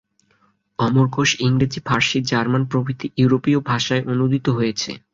অমরকোষ ইংরেজি, ফার্সি, জার্মান প্রভৃতি ইউরোপীয় ভাষায় অনূদিত হয়েছে।